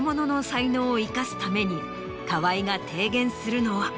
ために河合が提言するのは。